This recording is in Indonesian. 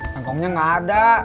tangkongnya gak ada